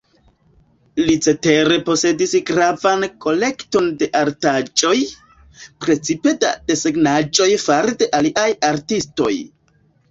Li cetere posedis gravan kolekton da artaĵoj, precipe da desegnaĵoj fare de aliaj artistoj.